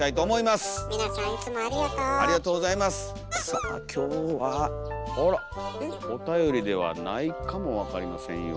さあ今日はあらおたよりではないかもわかりませんよ。